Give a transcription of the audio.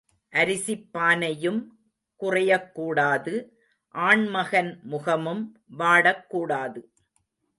அரிசிப் பானையும் குறையக் கூடாது ஆண்மகன் முகமும் வாடக் கூடாது.